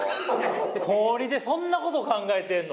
高２でそんなこと考えてんの？